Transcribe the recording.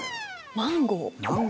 マンゴー？